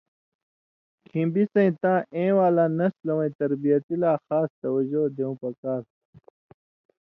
کھیں بِڅَیں تاں اېں والا نسلہ وَیں تربیتی لا خاص توجہ دېوں پکار تُھو۔